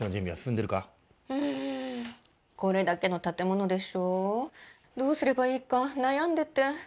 んこれだけの建物でしょどうすればいいか悩んでて。